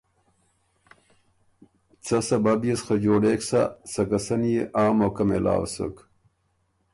څۀ سبب يې سو خه جوړېک سۀ، سکه سن يې آ موقع مېلاؤ سُک۔